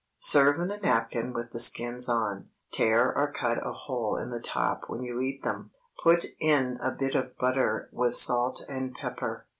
Serve in a napkin with the skins on. Tear or cut a hole in the top when you eat them, put in a bit of butter with salt and pepper.